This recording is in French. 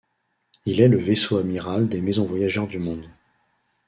Il est le vaisseau amiral des maisons Voyageurs du Monde.